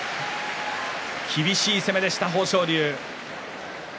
厳しい攻めでした豊昇龍。